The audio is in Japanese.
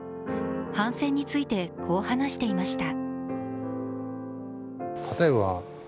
反戦についてこう話していました。